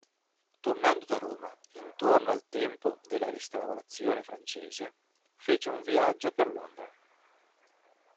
Tornando da Roma, intorno al tempo della Restaurazione francese, fece un viaggio per Londra.